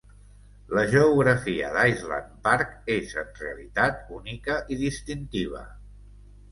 La geografia d'Island Park és en realitat única i distintiva.